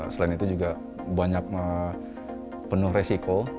selain itu juga banyak penuh resiko